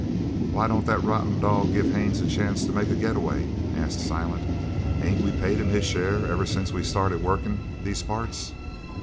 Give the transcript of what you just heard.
"Why don't the rotten dog give Haines a chance to make a getaway?" asked Silent. "Ain't we paid him his share ever since we started workin' these parts?"